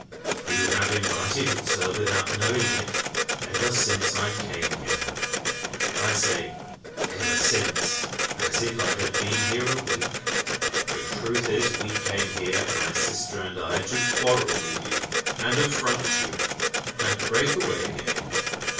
"You have invited it, sir, without knowing it, ever since I came here. I say 'ever since,' as if I had been here a week. The truth is, we came here (my sister and I) to quarrel with you, and affront you, and break away again."